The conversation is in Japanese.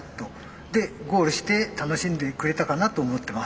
でゴールして楽しんでくれたかなと思ってます。